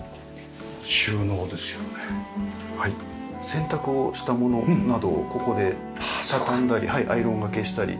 洗濯をしたものなどをここで畳んだりアイロンがけしたり。